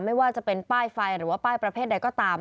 ไม่ว่าจะเป็นป้ายไฟหรือว่าป้ายประเภทใดก็ตาม